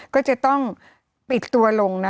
ก็จะต้องปิดตัวลงนะ